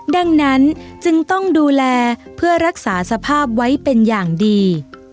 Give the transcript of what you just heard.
ดังนั้นจึงต้องดูแลเพื่อรักษาสภาพไว้เป็นอย่างดี